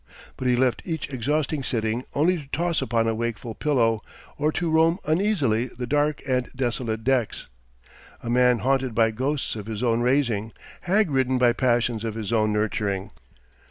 But he left each exhausting sitting only to toss upon a wakeful pillow or to roam uneasily the dark and desolate decks, a man haunted by ghosts of his own raising, hagridden by passions of his own nurturing....